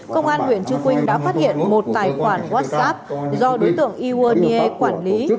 công an huyện chư quynh đã phát hiện một tài khoản whatsapp do đối tượng iwaiir quản lý